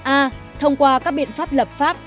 a thông qua các biện pháp lập pháp